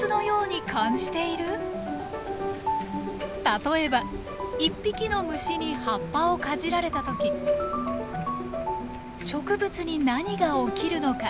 例えば一匹の虫に葉っぱをかじられた時植物に何が起きるのか。